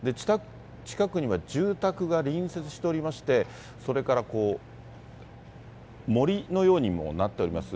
近くには住宅が隣接しておりまして、それから森のようにもなっております。